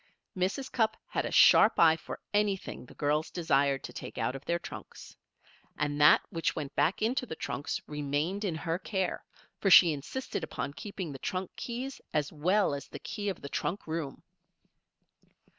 Mrs. Cupp had a sharp eye for anything the girls desired to take out of their trunks. And that which went back into the trunks remained in her care, for she insisted upon keeping the trunk keys as well as the key of the trunk room.